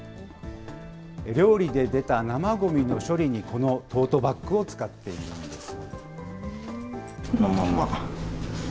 料理で出た生ごみの処理に、このトートバッグを使っているんです。